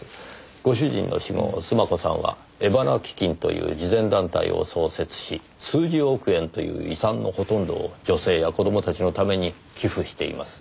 ご主人の死後須磨子さんは江花基金という慈善団体を創設し数十億円という遺産のほとんどを女性や子供たちのために寄付しています。